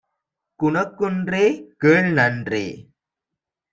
குணக்குன்றே! - கேள்நன்றே!